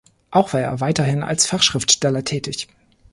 Auch war er weiterhin als Fachschriftsteller tätig.